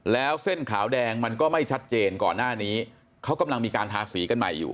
แล้วเส้นขาวแดงมันก็ไม่ชัดเจนก่อนหน้านี้เขากำลังมีการทาสีกันใหม่อยู่